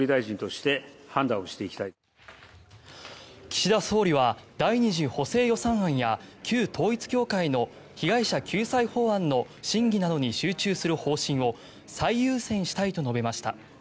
岸田総理は第２次補正予算案や旧統一教会の被害者救済法案の審議などに集中する方針を最優先したいと述べました。